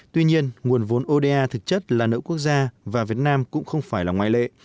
tuy nhiên nguồn vốn oda thực chất là nợ quốc gia và việt nam cũng không phải là ngoại lệ